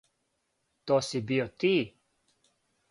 То си био ти.